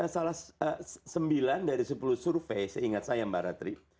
salah sembilan dari sepuluh survei seingat saya mbak ratri